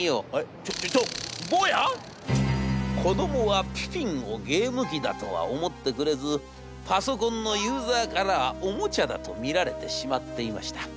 『ちょちょちょ坊や！』。子どもはピピンをゲーム機だとは思ってくれずパソコンのユーザーからはおもちゃだと見られてしまっていました。